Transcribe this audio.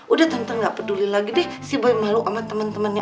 udah tante nggak peduli lagi deh si boy malu sama temen temennya apa nggak